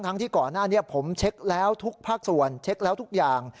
ที่ก่อนหน้านี้ผมเช็คแล้วทุกภาคส่วนเช็คแล้วทุกอย่าง